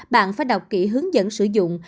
bạn phải đọc kỹ hướng dẫn sử dụng